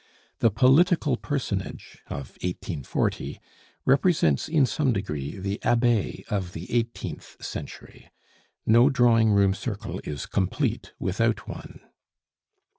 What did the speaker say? The political personage of 1840 represents, in some degree, the Abbe of the eighteenth century. No drawing room circle is complete without one.